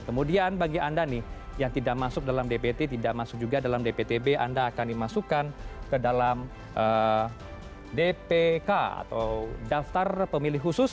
kemudian bagi anda nih yang tidak masuk dalam dpt tidak masuk juga dalam dptb anda akan dimasukkan ke dalam dpk atau daftar pemilih khusus